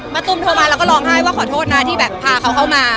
ตุ้มโทรมาแล้วก็ร้องไห้ว่าขอโทษนะที่แบบพาเขาเข้ามา